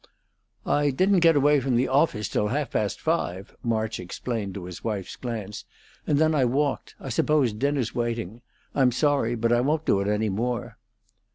"I didn't get away from the office till half past five," March explained to his wife's glance, "and then I walked. I suppose dinner's waiting. I'm sorry, but I won't do it any more."